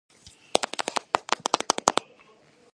მდებარეობს ჩრდილოეთი კუნძულის ცენტრალურ ნაწილში.